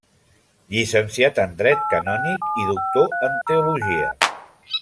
Llicenciat en Dret Canònic i doctor en Teologia.